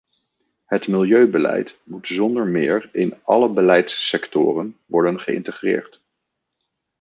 Het milieubeleid moet zonder meer in alle beleidssectoren worden geïntegreerd.